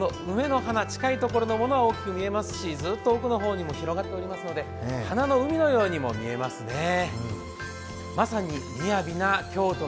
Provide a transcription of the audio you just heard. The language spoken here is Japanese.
梅の花、近いところのものは大きく見えますし、ずっと奥の方にも広がっておりますので、花の海のようにも見えますね。